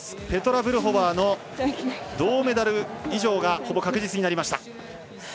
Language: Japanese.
ペトラ・ブルホバーの銅メダル以上がほぼ確実になりました。